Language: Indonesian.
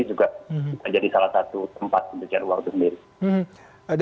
ini juga bisa jadi salah satu tempat penelitian uang sendiri